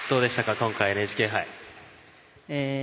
今回のＮＨＫ杯。